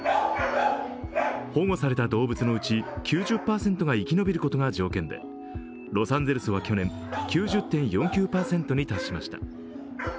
保護された動物のうち９０％が生き延びることが条件で、ロサンゼルスは去年、９０．４９％に達しました。